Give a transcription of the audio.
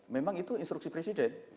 memang itu instruksi presiden